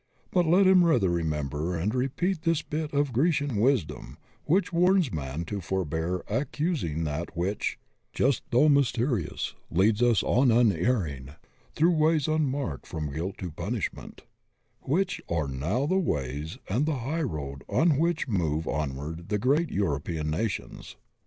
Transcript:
But let him rather remember and repeat this bit of Grecian wisdom which warns man to forbear accus ing That which *Just though mysterious, leads us on unerring Through ways unmarked from guilt to punishment* — ^which are now the ways and the high road on which move onward the great European nations.